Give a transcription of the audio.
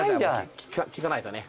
聞かないとね。